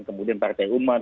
kemudian partai umat